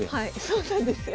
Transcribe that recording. そうなんですよ。